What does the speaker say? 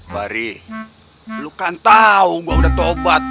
bari lo kan tau gue udah tobat